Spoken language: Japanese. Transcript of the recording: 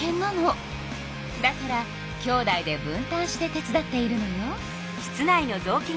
だからきょうだいで分たんして手伝っているのよ。